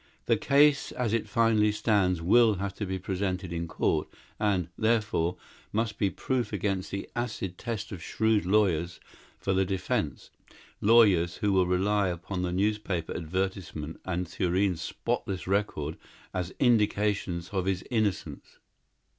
The case as it finally stands will have to be presented in court, and, therefore, must be proof against the acid test of shrewd lawyers for the defense, lawyers who will rely upon the newspaper advertisement and Thurene's spotless record as indications of his innocence."